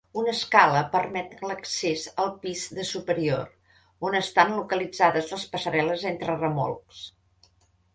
Una escala permet l'accés al pis de superior, on estan localitzades les passarel·les entre remolcs.